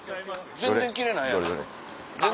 全然奇麗ないやん。